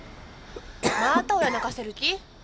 また親泣かせる気？